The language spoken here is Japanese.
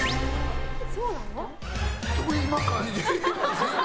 そうなの？